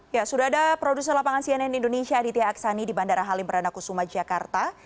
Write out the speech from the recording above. ya sudah ada produser lapangan cnn indonesia aditya aksani di bandara halim perdana kusuma jakarta